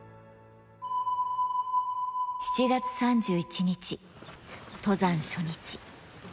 ７月３１日、登山初日。